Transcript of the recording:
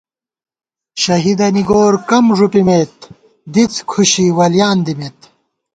شہیدَنی گورکم ݫُپِمېت، دِڅ کھُشی ولیان دِمېت